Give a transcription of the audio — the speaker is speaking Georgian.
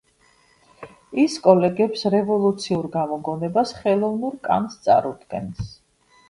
ის კოლეგებს რევოლუციურ გამოგონებას, ხელოვნურ კანს წარუდგენს.